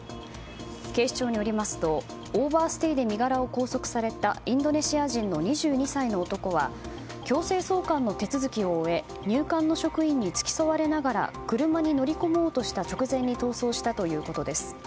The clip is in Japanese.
警視庁によりますとオーバーステイで身柄を拘束されたインドネシア人の２２歳の男は強制送還の手続きを終え入管の職員に付き添われながら車に乗り込もうとした直前に逃走したということです。